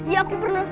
ya aku pernah